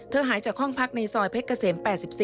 หายจากห้องพักในซอยเพชรเกษม๘๔